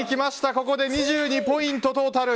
ここで２２ポイント、トータル。